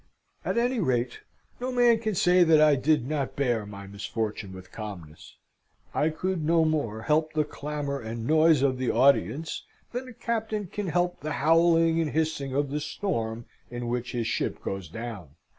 At any rate, no man can say that I did not bear my misfortune with calmness: I could no more help the clamour and noise of the audience than a captain can help the howling and hissing of the storm in which his ship goes down.